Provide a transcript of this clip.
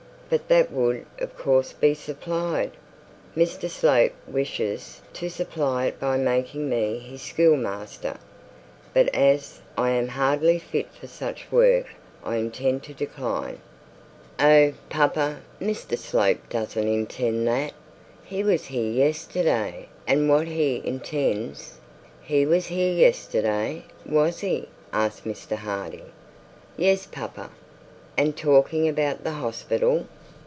'But that would of course be supplied.' 'Mr Slope wishes to supply it by making me his schoolmaster. But as I am hardly fit for such work, I intend to decline.' 'Oh, papa! Mr Slope doesn't intend that. He was here yesterday, and what he intends ' 'He was here yesterday, was he?' asked Mr Harding. 'Yes, papa.' 'And talking about the hospital?'